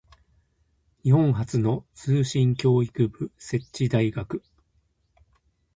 日本初の通信教育部設置大学